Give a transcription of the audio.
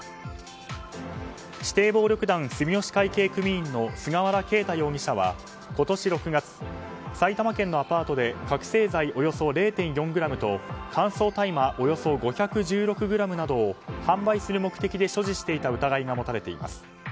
指定暴力団住吉会系組員の菅原啓太容疑者は今年６月埼玉県のアパートで覚醒剤およそ０．４ｇと乾燥大麻およそ５１６ｇなどを販売する目的で所持していた疑いが持たれています。